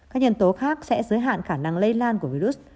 các nhân tố khác sẽ giới hạn khả năng lây lan của virus